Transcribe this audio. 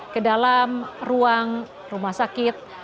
kedalam ruang rumah sakit